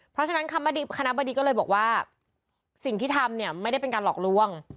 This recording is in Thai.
เพราะฉะนั้นคณะบดีก็เลยบอกว่าสิ่งที่ทำเนี่ยไม่ได้เป็นการหลอกล่วง